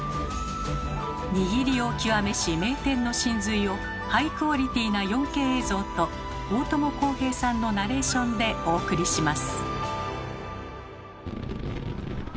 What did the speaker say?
握りを極めし名店の神髄をハイクオリティーな４Ｋ映像と大友康平さんのナレーションでお送りします。